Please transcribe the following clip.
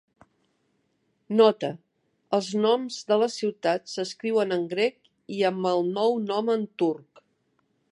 Nota: els noms de les ciutats s'escriuen en grec i amb el nou nom en turc.